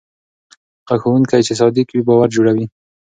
هغه ښوونکی چې صادق وي باور جوړوي.